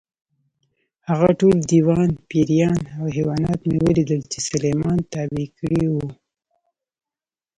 هغه ټول دیوان، پېریان او حیوانات مې ولیدل چې سلیمان تابع کړي وو.